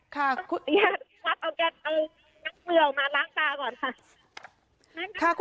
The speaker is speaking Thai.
คุณสิริวัลเอาแก๊สเอานักเมืองมาล้างตาก่อนค่ะ